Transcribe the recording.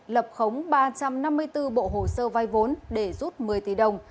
lập khống ba trăm năm mươi bốn bộ hồ sơ vai vốn để rút một mươi tỷ đồng